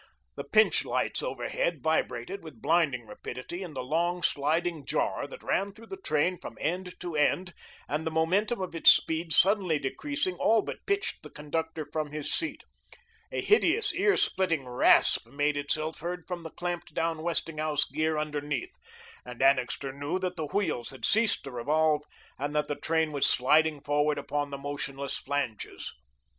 The Pintsch lights overhead vibrated with blinding rapidity in the long, sliding jar that ran through the train from end to end, and the momentum of its speed suddenly decreasing, all but pitched the conductor from his seat. A hideous ear splitting rasp made itself heard from the clamped down Westinghouse gear underneath, and Annixter knew that the wheels had ceased to revolve and that the train was sliding forward upon the motionless flanges.